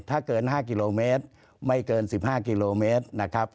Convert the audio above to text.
ถ้าเกิน๕กิโลเมตรไม่เกิน๑๕กิโลเมตรนะครับ